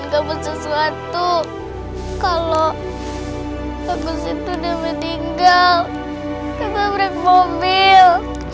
gak bisa suatu kalau bagus itu udah meninggal kita break mobil